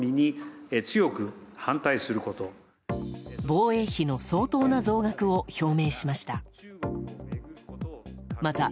防衛費の相当な増額を表明しました。